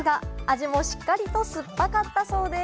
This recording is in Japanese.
味もしっかりと酸っぱかったそうです。